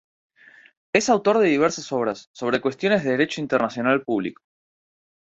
Es autor de diversas obras, sobre cuestiones de Derecho Internacional Publico.